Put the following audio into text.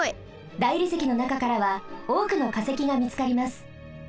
大理石のなかからはおおくのかせきがみつかります。